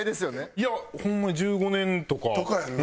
いやホンマに１５年とか。とかやんな。